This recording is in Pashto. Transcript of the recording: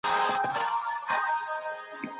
زه له سهاره د سبا لپاره د نوټونو يادونه کوم.